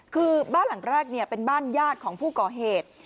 คือบ้านหลังแรกเป็นบ้านญาติของผู้ก่อเหตุ